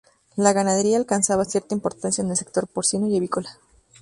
La ganadería alcanzaba cierta importancia en el sector porcino y avícola.